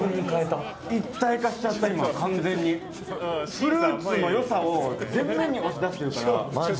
フルーツの良さを前面に押し出してるから。